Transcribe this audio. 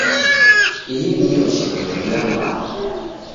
Ihi nio shekeria mbaa.